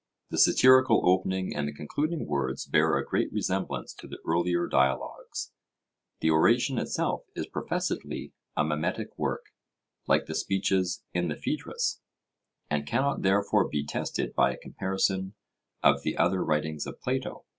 The satirical opening and the concluding words bear a great resemblance to the earlier dialogues; the oration itself is professedly a mimetic work, like the speeches in the Phaedrus, and cannot therefore be tested by a comparison of the other writings of Plato.